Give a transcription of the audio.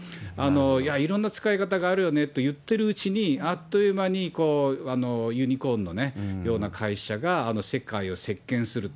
いや、いろんな使い方があるよねといってるうちに、あっという間にユニコーンのような会社が世界を席巻すると。